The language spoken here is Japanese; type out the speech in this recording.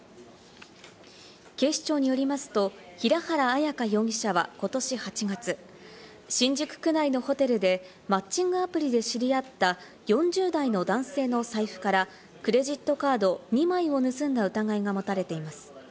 警視庁によりますと、平原彩香容疑者はことし８月、新宿区内のホテルでマッチングアプリで知り合った４０代の男性の財布からクレジットカード２枚を盗んだ疑いが持たれています。